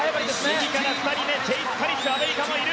右から２人目チェイス・カリシュアメリカもいる。